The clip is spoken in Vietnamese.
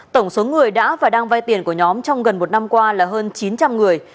tổng số người đã và đang vay tiền của nhóm trong gần một năm qua là hơn chín trăm linh người